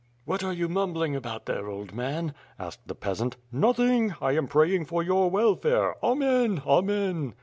..." "What are you mumbling about there, old man?" asked the peasant. "Nothing. I am praying for your welfare. Amen, Amen."